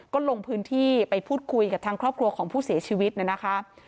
ก็ลงพื้นที่ไปพูดคุยกับทางครอบครัวของผู้เสียชีวิตนะคะ